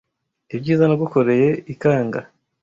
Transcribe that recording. Ibyiza nagukoreye ikanga